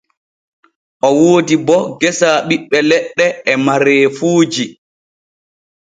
O woodi bo geesa ɓiɓɓe leɗɗe e mareefuuji.